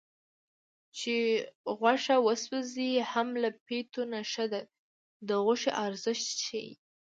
چې غوښه وسوځي هم له پیتو نه ښه ده د غوښې ارزښت ښيي